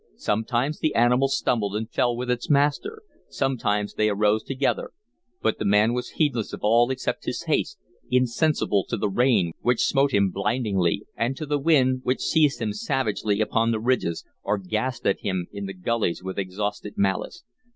Sometimes the animal stumbled and fell with its master, sometimes they arose together, but the man was heedless of all except his haste, insensible to the rain which smote him blindingly, and to the wind which seized him savagely upon the ridges, or gasped at him in the gullies with exhausted malice.